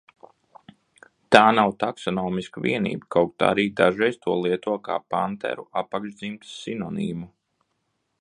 Tā nav taksonomiska vienība, kaut arī dažreiz to lieto kā panteru apakšdzimtas sinonīmu.